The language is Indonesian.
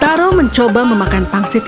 taro mencoba memakan pangsitnya